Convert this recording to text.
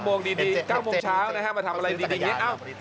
๙โมงดี๙โมงเช้านะฮะมาทำอะไรดีนี่